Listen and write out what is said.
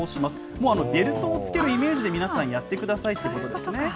もうベルトを付けるイメージで、皆さんやってくださいということですね。